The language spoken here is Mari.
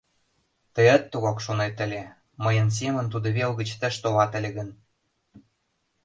Тыят тугак шонет ыле, мыйын семын тудо вел гыч тыш толат ыле гын!